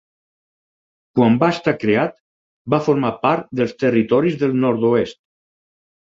Quan va estar creat, va formar part dels Territoris del Nord-oest.